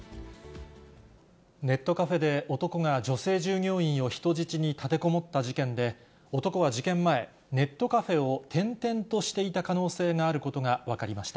ネットカフェで男が女性従業員を人質に立てこもった事件で、男は事件前、ネットカフェを転々としていた可能性があることが分かりました。